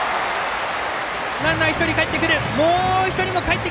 ランナー、２人かえってきた！